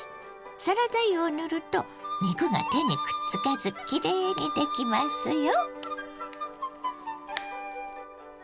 サラダ油を塗ると肉が手にくっつかずきれいにできますよ。